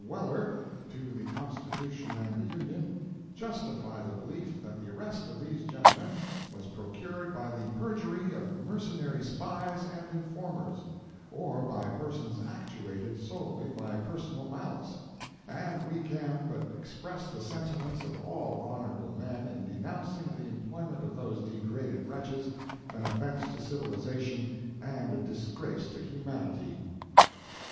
Weller, to the Constitution and the Union, justify the belief that the arrest of these gentlemen was procured by the perjury of mercenary spies and informers, or by persons actuated solely by personal malice, and we can but express the sentiments of all honorable men in denouncing the employment of those degraded wretches, an offence to civilization, and a disgrace to humanity.